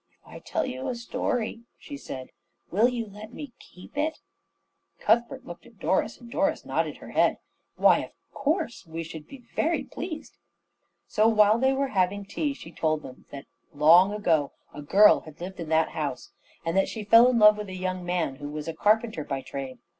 "If I tell you a story," she said, "will you let me keep it?" Cuthbert looked at Doris, and Doris nodded her head. "Why, of course," said Cuthbert. "We should be very pleased." So while they were having tea she told them that long ago a girl had lived in that house, and that she fell in love with a young man, who was a carpenter by trade.